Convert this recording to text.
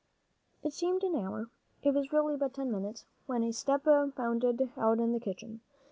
It seemed an hour. It was really but ten minutes, when a step bounded out in the kitchen.